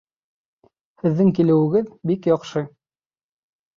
Һеҙҙең килеүегеҙ бик яҡшы!